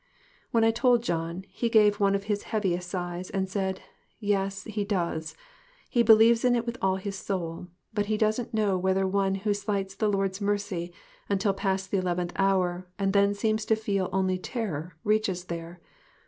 When I told John, he gave one of his heaviest sighs, and said, ' Yes, he does ; he believes in it with all his soul, but he doesn't know whether one who slights the Lord's mercy until past the eleventh hour, and then seems to feel only terror, reaches there.'